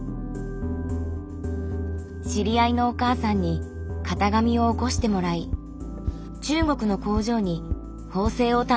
知り合いのお母さんに型紙をおこしてもらい中国の工場に縫製を頼んだんです。